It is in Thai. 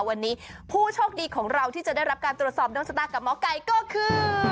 วันนี้ผู้โชคดีของเราที่จะได้รับการตรวจสอบโดนชะตากับหมอไก่ก็คือ